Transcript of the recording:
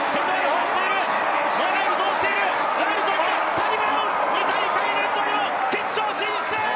サニブラウン、２大会連続の決勝進出！